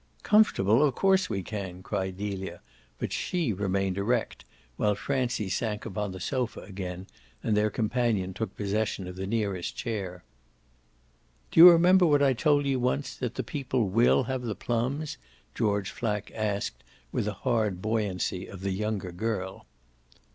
"Comfortable? of course we can!" cried Delia, but she remained erect while Francie sank upon the sofa again and their companion took possession of the nearest chair. "Do you remember what I told you once, that the people WILL have the plums?" George Flack asked with a hard buoyancy of the younger girl.